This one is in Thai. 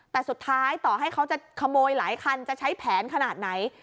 แต่สุดท้ายต่อให้เขาจะขโมยหลายคันจะใช้แผนขนาดไหน